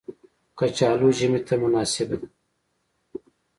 کچالو ژمي ته مناسبه ده